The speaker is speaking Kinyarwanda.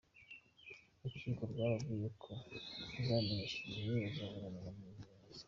Urukiko rwababwiye ko ruzabamenyesha igihe bazaburanira mu mizi.